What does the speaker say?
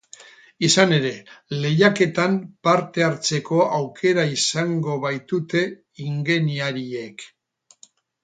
Izan ere, lehiaketan parte hartzeko aukera izango baitute ingeniariek.